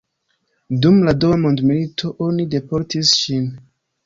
Dum la dua mondmilito oni deportis ŝin.